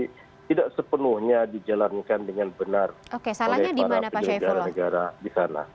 dan evaluasi tidak sepenuhnya dijalankan dengan benar oleh para penduduk negara negara di sana